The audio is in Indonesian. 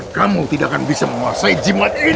kamu tidak akan bisa menguasai jimat ini